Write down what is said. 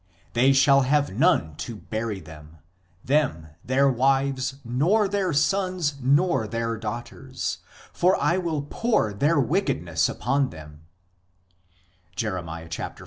. they shall have none to bury them, them, their wives, nor their sons, nor their daughters ; for I will pour their wickedness upon them " (Jer.